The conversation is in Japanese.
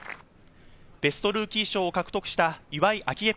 ベストルーキー賞を獲得した岩井明愛